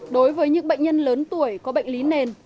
đối với những bệnh nhân lớn tuổi có bệnh lý nền